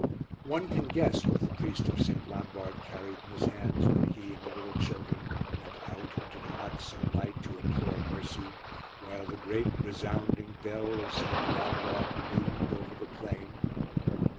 One can guess what the priest of St. Lambart carried in his hands when he and the little children went out into the hot sunlight to implore mercy, while the great resounding bell of St. Lambart boomed over the plain.